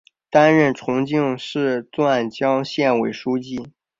担任重庆市綦江县委书记。